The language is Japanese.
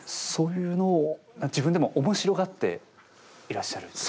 そういうのを自分でも面白がっていらっしゃる。